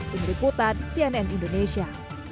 tingri putat cnn indonesia